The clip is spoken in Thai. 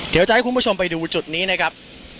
เดี๋ยวจะให้คุณผู้ชมไปดูจุดนี้นะครับ